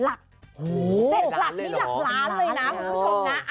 หลัก๗หลักนี่หลักล้านเลยนะคุณผู้ชมนะ